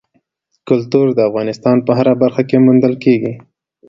کلتور د افغانستان په هره برخه کې موندل کېږي.